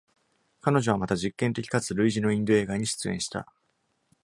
彼女はまた、実験的かつ類似のインド映画に出演した。